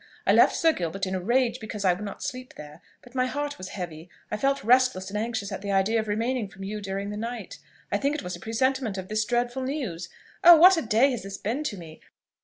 I left Sir Gilbert in a rage because I would not sleep there; but my heart was heavy; I felt restless and anxious at the idea of remaining from you during the night: I think it was a presentiment of this dreadful news. Oh! what a day has this been to me!